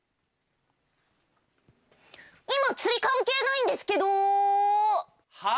今釣り関係ないんですけど！は？